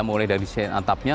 mulai dari desain atapnya